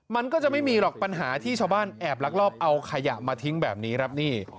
มันก็จะไม่มีหรอกปัญหาที่ชาวบ้านแอบลักลอบเอาขยะมาทิ้งแบบนี้ครับนี่